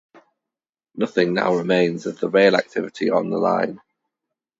Nothing now remains of the rail activity on the line.